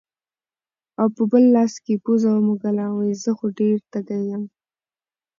او پۀ بل لاس يې پوزه ومږله وې زۀ خو ډېر تږے يم